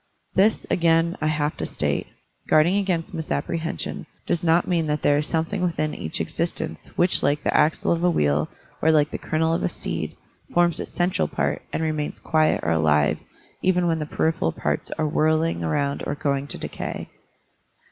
This, again, I have to state, guarding against misapprehension, does not mean that there is something within each existence which like the axle of a wheel or like the kernel of a seed forms its central part and remains quiet or alive even when the peripheral parts are whirling around or going to decay.